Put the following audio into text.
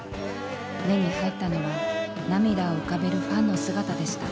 目に入ったのは涙を浮かべるファンの姿でした。